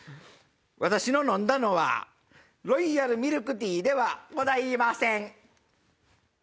私の飲んだのはロイヤルミルクティーではございません。